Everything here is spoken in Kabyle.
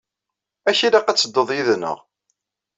Ad k-ilaq ad tedduḍ yid-neɣ.